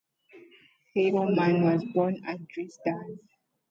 Thielmann was born at Dresden.